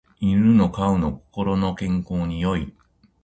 犬を飼うの心の健康に良い